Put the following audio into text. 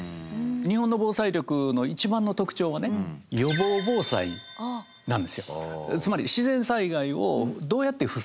日本の防災力の一番の特徴はね予防防災なんですよ。